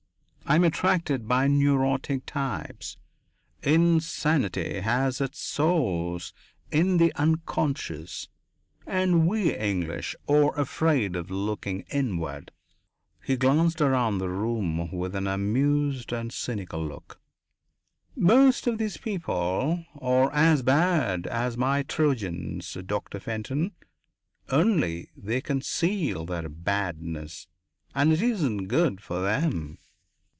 I am attracted by neurotic types. Insanity has its source in the unconscious, and we English are afraid of looking inward." He glanced around the crowded room with an amused and cynical look. "Most of these people are as bad as my Trojans, Doctor Fenton. Only they conceal their badness, and it isn't good for them."